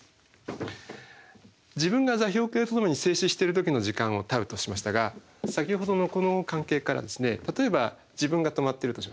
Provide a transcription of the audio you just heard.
自分が座標系とともに静止してる時の時間をτとしましたが先ほどのこの関係から例えば自分が止まってるとしましょう。